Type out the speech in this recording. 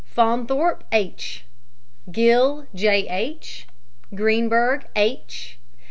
FAUNTHORPE, H. GILL, J. H. GREENBERG, H.